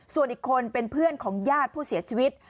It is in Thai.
ส่วนอีกคนเป็นเพื่อนของญาติผู้เสียชีวิต